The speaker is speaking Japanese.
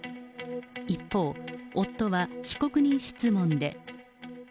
一方、夫は被告人質問で。